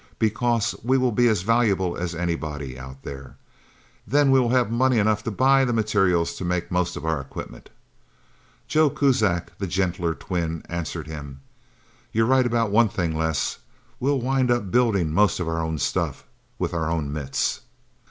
Because we will be as valuable as anybody, Out There. Then we will have money enough to buy the materials to make most of our equipment." Joe Kuzak, the gentler twin, answered him. "You're right about one thing, Les. We'll wind up building most of our own stuff with our own mitts...!"